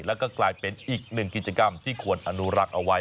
แล้วก็กลายเป็นอีกหนึ่งกิจกรรมที่ควรอนุรักษ์เอาไว้